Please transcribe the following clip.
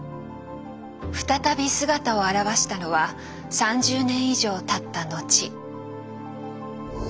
再び姿を現したのは３０年以上たった後。